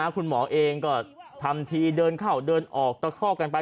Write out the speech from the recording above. คุณหมอเองก็ทำทีเดินเข้าเดินออกตะคอกกันไป